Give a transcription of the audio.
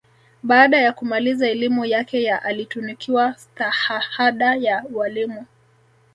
Baada ya kumaliza elimu yake ya alitunukiwa Stahahada ya Ualimu